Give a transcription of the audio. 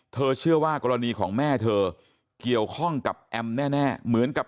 เชื่อว่ากรณีของแม่เธอเกี่ยวข้องกับแอมแน่เหมือนกับ